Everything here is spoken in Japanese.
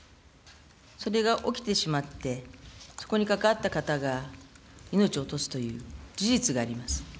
それが起きてしまって、そこに関わった方が命を落とすという事実があります。